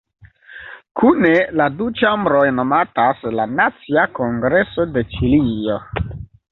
Kune la du ĉambroj nomatas la "Nacia Kongreso de Ĉilio".